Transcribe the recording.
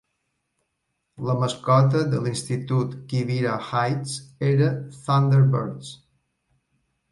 La mascota de l'institut Quivira Heights era Thunderbirds.